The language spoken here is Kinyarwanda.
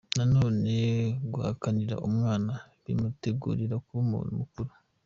Nanone guhakanira umwana bimutegurira kuba umuntu mukuru.